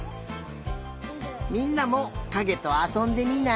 みんなもかげとあそんでみない？